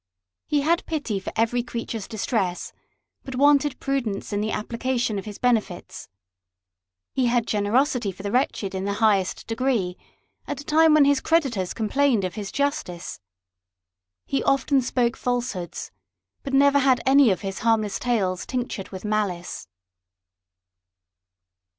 He had pity for every creature's distress, but wanted pru dence in the application of his benefits. He had generosity for the wretched in the highest degree, at a time when his creditors complaimed of his justice. He often spoke falsehoods, but never had any of his harmless tales tinctured with malice.